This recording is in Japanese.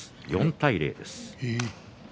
４対０です。